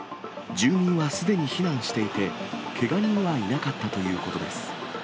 住民はすでに避難していて、けが人はいなかったということです。